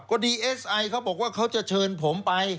ก็ดีเอสไอเขาบอกว่าเขาจะเชิญผมไป